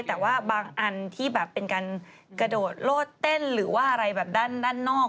แต่ว่าบางอันที่แบบเป็นการกระโดดโลดเต้นหรือว่าอะไรแบบด้านนอก